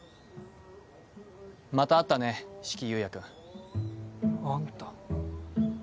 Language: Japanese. また会ったね四鬼夕也君。あんた。